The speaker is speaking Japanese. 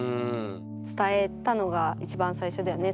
伝えたのが一番最初だよね？